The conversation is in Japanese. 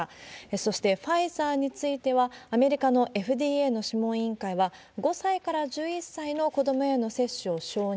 そしてファイザーについては、アメリカのＦＤＡの諮問委員会は、５歳から１１歳の子どもへの接種を承認。